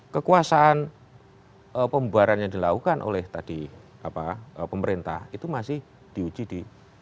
kekuasaan pembaharan yang dilakukan oleh tadi pemerintah itu masih di uji di